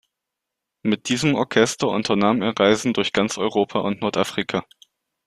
Mit diesem Orchester unternahm er Reisen durch ganz Europa und Nordafrika.